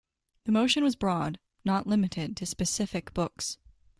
The motion was broad, not limited to specific books.